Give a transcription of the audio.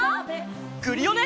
クリオネ！